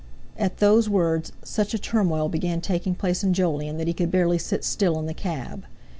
At those words such a turmoil began taking place in Jolyon that he could barely sit still in the cab.